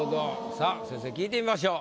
さあ先生に聞いてみましょう。